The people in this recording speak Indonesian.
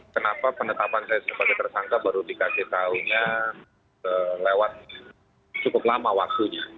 kenapa penetapan saya sebagai tersangka baru dikasih tahunya lewat cukup lama waktunya